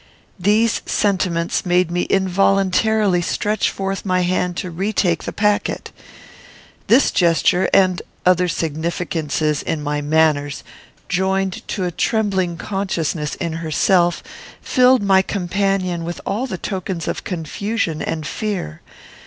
These sentiments made me involuntarily stretch forth my hand to retake the packet. This gesture, and other significances in my manners, joined to a trembling consciousness in herself, filled my companion with all the tokens of confusion and fear.